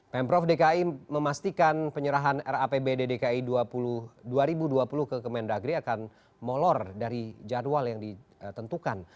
pemprov dki memastikan penyerahan rapbd dki dua ribu dua puluh ke kemendagri akan molor dari jadwal yang ditentukan